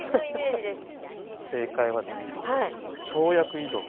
正解はですね跳躍移動。